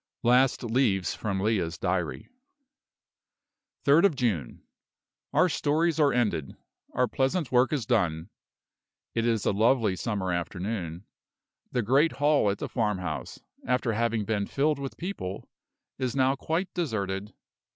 LAST LEAVES FROM LEAH'S DIARY. 3d of June. Our stories are ended; our pleasant work is done. It is a lovely summer afternoon. The great hall at the farmhouse, after having been filled with people, is now quite deserted.